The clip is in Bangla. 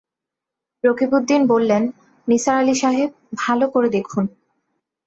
রকিবউদ্দিন বললেন, নিসার আলি সাহেব, ভালো করে দেখুন।